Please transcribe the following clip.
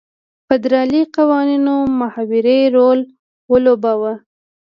فدرالي قوانینو محوري رول ولوباوه.